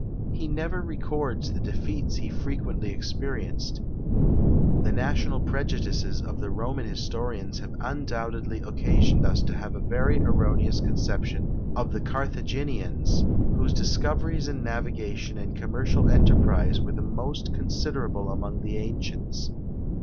He never records the defeats he frequently experienced. The national prejudices of the Roman historians have undoubtedly occasioned us to have a very erroneous conception of the Carthaginians, whose discoveries in navigation and commercial enterprises were the most considerable among the ancients.